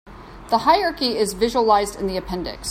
The hierarchy is visualized in the appendix.